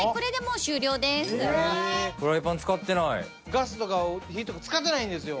ガスとか火とか使ってないんですよ。